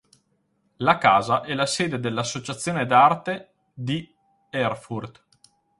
La casa è la sede dell'Associazione d'arte di Erfurt.